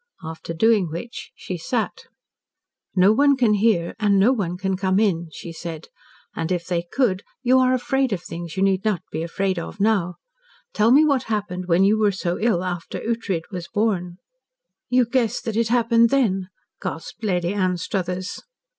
After doing which she sat. "No one can hear and no one can come in," she said. "And if they could, you are afraid of things you need not be afraid of now. Tell me what happened when you were so ill after Ughtred was born." "You guessed that it happened then," gasped Lady Anstruthers.